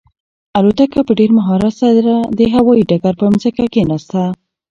الوتکه په ډېر مهارت سره د هوايي ډګر پر ځمکه کښېناسته.